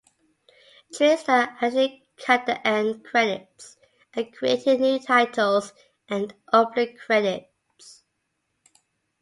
TriStar additionally cut the end credits and created new titles and opening credits.